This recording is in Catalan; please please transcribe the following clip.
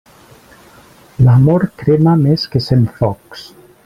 L'amor crema més que cent focs.